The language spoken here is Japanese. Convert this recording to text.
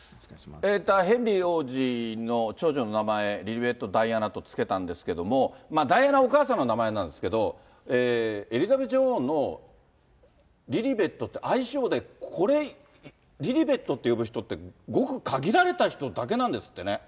ヘンリー王子の長女の名前、リリベット・ダイアナと付けたんですけれども、ダイアナはお母様の名前なんですけれども、エリザベス女王の、リリベットって愛称で、これ、リリベットって呼ぶ人って、ごく限られた人だけなんですってね。